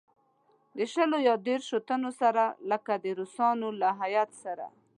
له شلو یا دېرشوتنو سره لکه د روسانو له هیات سره.